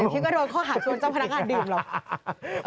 ที่ก็โดนข้อหาชวนเจ้าพนักงานดื่มหรอก